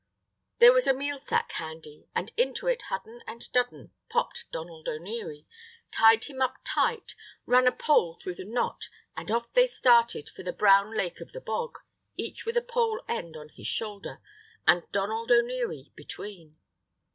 There was a meal sack handy, and into it Hudden and Dudden popped Donald O'Neary, tied him up tight, ran a pole through the knot, and off they started for the Brown Lake of the Bog, each with a pole end on his shoulder, and Donald O'Neary between.